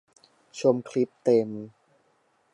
ชมคลิปเต็ม